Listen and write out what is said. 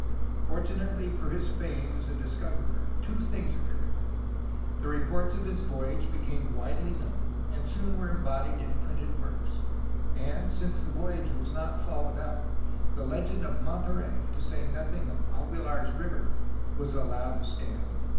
Fortunately for his fame as a dis coverer, two things occurred: the reports of his voyage became widely known, and soon were embodied in printed works; and, since the voyage was not followed up, the legend of Monterey, to say nothing of Aguilar's River, was allowed to stand.